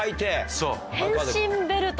そう。